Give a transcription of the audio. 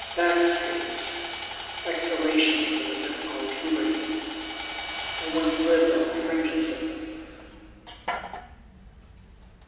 Back streets, exhalations of a difficulty puberty, I once lived on the fringes of them.